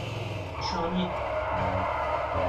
شامی